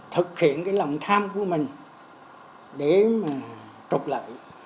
thực hiện cái lòng tham của mình để mà trục lợi